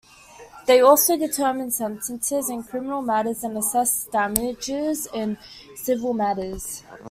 They also determine sentences in criminal matters and assess damages in civil matters.